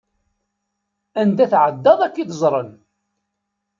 Anda tεeddaḍ ad k-id-ẓren.